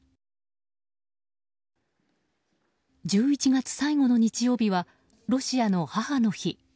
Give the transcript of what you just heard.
１１月最後の日曜日はロシアの母の日。